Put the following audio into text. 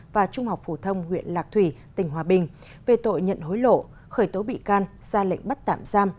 và trung học phổ thông huyện lạc thủy tỉnh hòa bình về tội nhận hối lộ khởi tố bị can ra lệnh bắt tạm giam